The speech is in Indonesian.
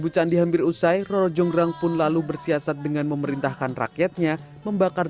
ibu candi hampir usai roro jonggrang pun lalu bersiasat dengan memerintahkan rakyatnya membakar